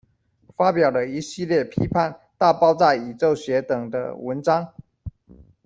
发表了一系列批判大爆炸宇宙学等的文章。